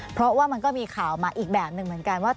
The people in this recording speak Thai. เพราะว่ามันก็มีข่าวมาอีกแบบหนึ่งเหมือนกันว่า